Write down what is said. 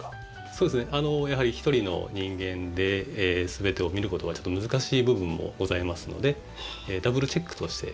そうですねやはり１人の人間で全てを見ることはちょっと難しい部分もございますのでというダブルチェック体制に。